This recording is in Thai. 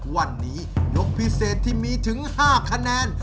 วันนี้ยกพิเศษที่มีถึง๕คะแนน